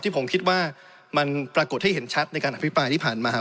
ผมคิดว่ามันปรากฏให้เห็นชัดในการอภิปรายที่ผ่านมา